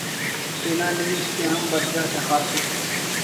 تینا نوشت ءِ ہم برجا تخاسس